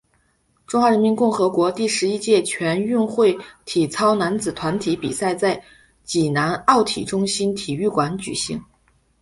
中华人民共和国第十一届全运会体操男子团体比赛在济南奥体中心体育馆举行。